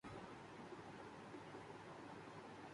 ان کا بھی جن کی جان گئی اوران کا بھی جن پر الزام ہے۔